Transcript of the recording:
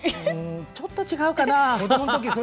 ちょっと違うかな。